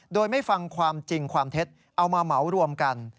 โดยไม่ฟังความจริงความเท็จเอามาเหมารวมกัน